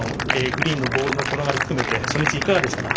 グリーンのボールの転がり含めて初日、いかがでしたか？